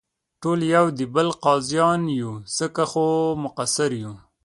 ټول یو دې بل قاضیان یو، ځکه خو مقصر یو.